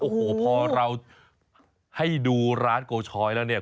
โอ้โหพอเราให้ดูร้านโกชอยแล้วเนี่ย